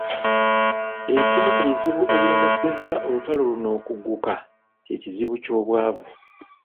Ekimu ku bizibu ebiremesezza olutalo luno okugguka kye kizibu ky’obwavu.